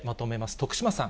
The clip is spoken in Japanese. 徳島さん。